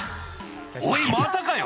「おいまたかよ！